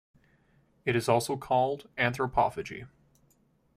It is also called "anthropophagy".